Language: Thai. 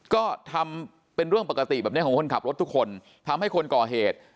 ก็ทำเป็นเรื่องปกติแบบนี้ของคนขับรถทุกคนทำให้คนก่อเหตุ